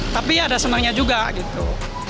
tapi ada senangnya juga gitu